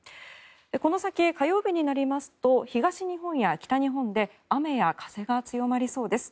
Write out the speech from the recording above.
この先、火曜日になりますと東日本や北日本で雨や風が強まりそうです。